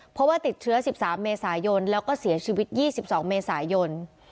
เพราะว่าติดเชื้อ๑๓เมษายนแล้วก็เสียชีวิต๒๒เมษายน